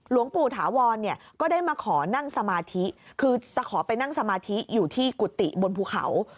หลวงปู่ถาวรเนี่ยก็ได้มาขอนั่งสมาธิคือจะขอไปนั่งสมาธิอยู่ที่กุฏิบนภูเขา